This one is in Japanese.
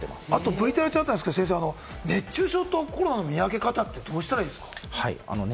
ＶＴＲにあったコロナと熱中症の見分け方はどうしたらいいですか？